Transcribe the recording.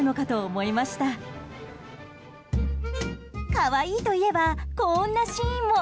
可愛いといえばこんなシーンも。